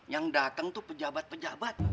yang datang tuh pejabat pejabat